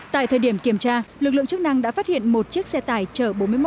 tại thời điểm kiểm tra lực lượng chức năng đã phát hiện một chiếc xe tải chở bốn mươi một